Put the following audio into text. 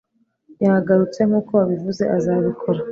Yagarutse nkuko wabivuze azabikora